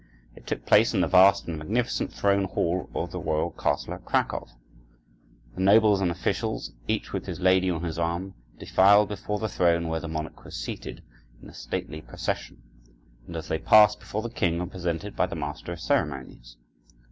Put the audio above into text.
It took place in the vast and magnificent throne hall of the royal castle at Cracow. The nobles and officials, each with his lady on his arm, defiled before the throne where the monarch was seated, in a stately procession, and as they passed before the king were presented by the master of ceremonies.